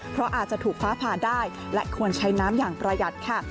เพราะอาจจะถูกฟ้าผ่าได้และควรใช้น้ำอย่างประหยัดค่ะ